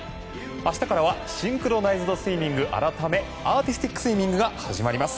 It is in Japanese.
明日からはシンクロナイズドスイミング改めアーティスティックスイミングが始まります。